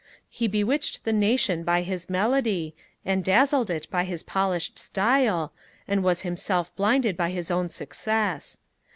He bewitched the nation by his melody, and dazzled it by his polished style and was himself blinded by his own success.